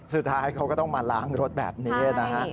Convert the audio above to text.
สุดท้ายเขาก็ต้องมาล้างรถแบบนี้นะฮะ